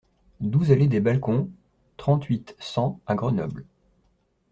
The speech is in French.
douze allée des Balcons, trente-huit, cent à Grenoble